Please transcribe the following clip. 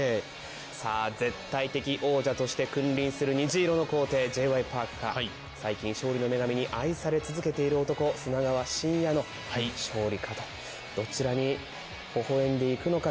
さぁ絶対的王者として君臨する虹色の最近勝利の女神に愛され続けている男砂川信哉の勝利かとどちらにほほえんでいくのか。